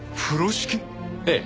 ええ。